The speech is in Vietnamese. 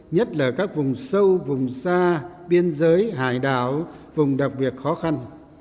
nhất là các vùng sâu vùng xa biên giới hải đảo vùng đặc biệt khó khăn